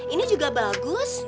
ini juga bagus